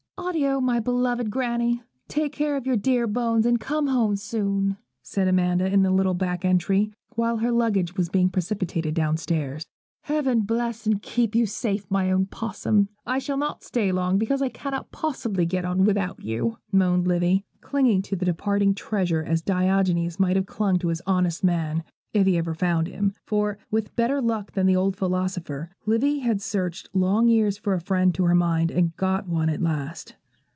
'Addio, my beloved Granny; take care of your dear bones and come home soon,' said Amanda, in the little back entry, while her luggage was being precipitated downstairs. 'Heaven bless and keep you safe, my own Possum. I shall not stay long because I can't possibly get on without you,' moaned Livy, clinging to the departing treasure as Diogenes might have clung to his honest man, if he ever found him; for, with better luck than the old philosopher, Livy had searched long years for a friend to her mind, and got one at last.